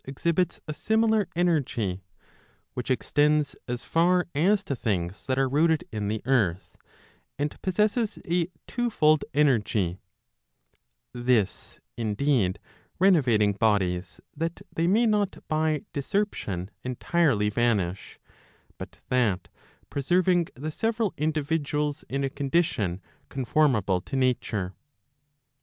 3 L Digitized by t^OOQLe 450 on Providence exhibits a similar energy, 1 which extends as far as to things that are rooted in the earth, and possesses a twofold energy, this indeed renovating bodies that they may not by discerption entirely vanish, but that preserving the several individuals in a condition conformable to nature